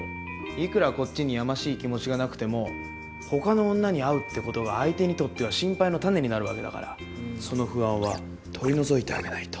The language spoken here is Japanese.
いくらこっちにやましい気持ちがなくても他の女に会うってことが相手にとっては心配の種になるわけだからその不安は取り除いてあげないと。